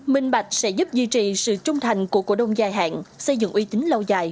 minh bạch sẽ giúp duy trì sự trung thành của cổ đông dài hạn xây dựng uy tín lâu dài